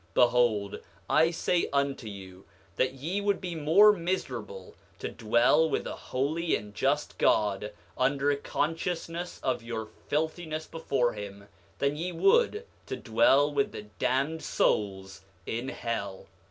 9:4 Behold, I say unto you that ye would be more miserable to dwell with a holy and just God, under a consciousness of your filthiness before him, than ye would to dwell with the damned souls in hell.